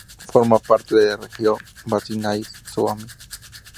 Forma parte de la región Varsinais-Suomi.